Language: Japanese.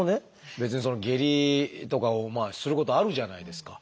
別にその下痢とかをすることあるじゃないですか。